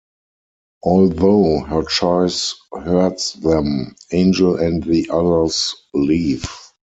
Although her choice hurts them, Angel and the others leave.